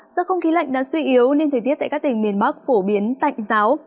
do không khí lạnh đã suy yếu nên thời tiết tại các tỉnh miền bắc phổ biến tạnh giáo